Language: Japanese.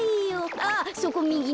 あっそこみぎね。